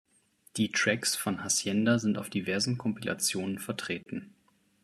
Die Tracks von Hacienda sind auf diversen Kompilationen vertreten.